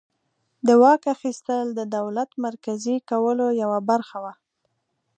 د واک اخیستل د دولت مرکزي کولو یوه برخه وه.